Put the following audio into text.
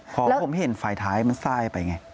เพราะว่าผมเห็นไฟท้ายมันทรายไปไง